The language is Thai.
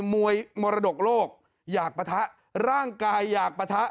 มวยมรดกโลกอยากปะทะร่างกายอยากปะทะ